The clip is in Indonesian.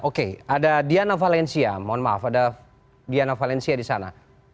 oke ada diana valencia mohon maaf ada diana valencia di sana